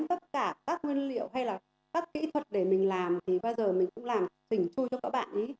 tất cả các nguyên liệu hay là các kỹ thuật để mình làm thì bao giờ mình cũng làm tỉnh chui cho các bạn ý